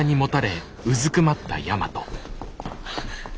あっ。